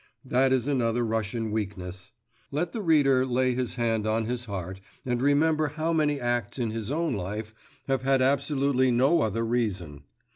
That is another Russian weakness. Let the reader lay his hand on his heart and remember how many acts in his own life have had absolutely no other reason.